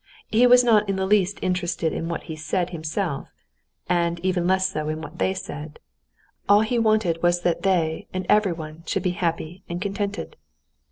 He was not in the least interested in what he said himself, and even less so in what they said; all he wanted was that they and everyone should be happy and contented.